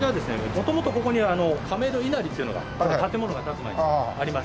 元々ここに亀戸稲荷っていうのがこの建物が建つ前にあります。